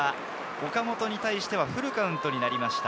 岡本に対してはフルカウントになりました。